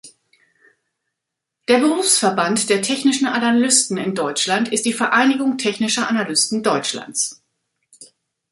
Der Berufsverband der Technischen Analysten in Deutschland ist die Vereinigung Technischer Analysten Deutschlands.